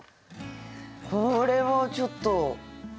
これもちょっと。